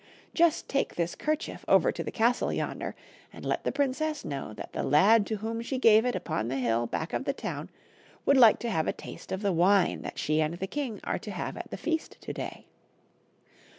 Just take this kerchief over to the castle yonder, and let the princess know that the lad to whom she gave it upon the hill back of the town would like to have a taste of the wine that she and the king are to have at the feast to day."